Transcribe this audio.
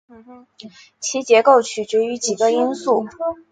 其结构取决于几个因素。